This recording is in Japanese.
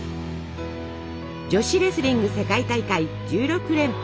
女子レスリング世界大会１６連覇。